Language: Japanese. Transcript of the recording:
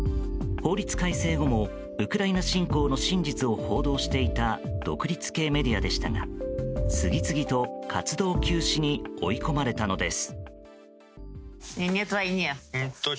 法律改正後も、ウクライナ侵攻の真実を報道していた独立系メディアでしたが次々と活動休止に追い込まれたのです。